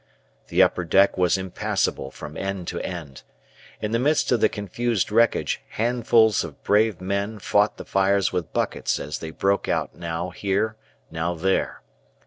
The upper deck was impassable from end to end. In the midst of the confused wreckage handfuls of brave men fought the fires with buckets as they broke out now here now there.